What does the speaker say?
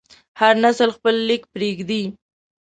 هر نسل خپل لیک پرېږدي.